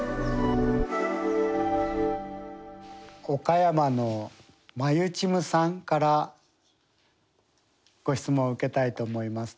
岡山のまゆちむさんからご質問を受けたいと思います。